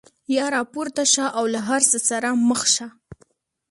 یا راپورته شه او له هر څه سره مخ شه.